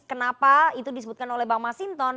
kenapa itu disebutkan oleh bang masinton